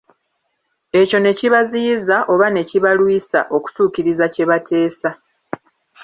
Ekyo ne kibaziyiza oba ne kibalwisa okutuukiriza kye bateesa.